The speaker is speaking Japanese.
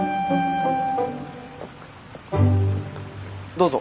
どうぞ。